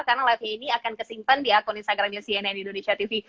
karena live nya ini akan kesimpan di akun instagramnya cnn indonesia tv